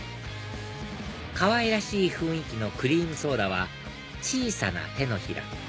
かわいらしい雰囲気のクリームソーダは「小さな手のひら」